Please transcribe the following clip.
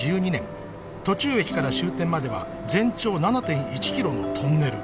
途中駅から終点までは全長７．１ｋｍのトンネル。